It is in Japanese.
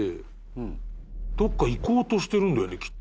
どっか行こうとしてるんだよねきっと。